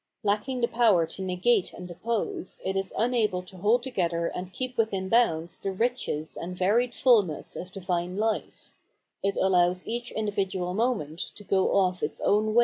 Lacking the power to negate and oppose, it is unable to hold together and keep within bounds the riches and varied fullness of divine life; it allows each individual moment to go ofi its own way.